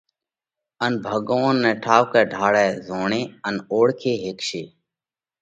ان ڀڳوونَ نئہ وڌارئہ ٺائُوڪئہ ڍاۯئہ زوڻي ان اوۯکي هيڪشي۔